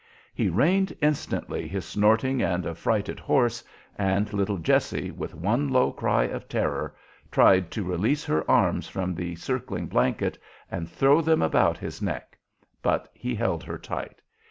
He reined instantly his snorting and affrighted horse, and little Jessie, with one low cry of terror, tried to release her arms from the circling blanket and throw them about his neck; but he held her tight.